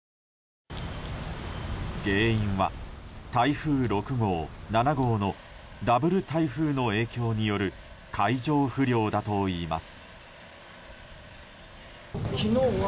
原因は台風６号、７号のダブル台風の影響による海上不良だといいます。